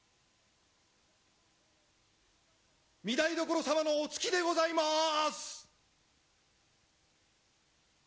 御台所様のお着きでございます！